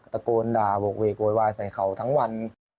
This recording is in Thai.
ตะโกนด่าโหกเวกโวยวายใส่เขาทั้งวัน